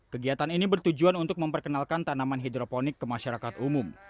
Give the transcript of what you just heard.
kegiatan ini bertujuan untuk memperkenalkan tanaman hidroponik ke masyarakat umum